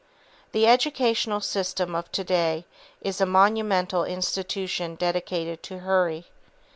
The educational system of to day is a monumental institution dedicated to Hurry.